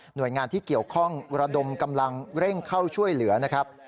โดยงานที่เกี่ยวข้องระดมกำลังเร่งเข้าช่วยเหลือนะครับ